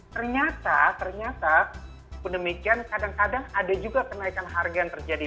ternyata ternyata demikian kadang kadang ada juga kenaikan harga yang terjadi